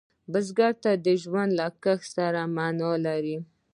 بزګر ته ژوند له کښت سره معنا لري